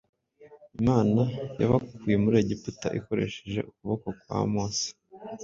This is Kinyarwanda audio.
Imana yabakuye mu Egiputa ikoresheje ukuboko kwa Mose